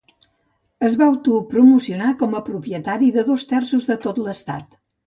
Es va autopromocionar com a propietari de dos terços de tot l'estat.